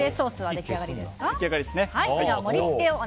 出来上がりです。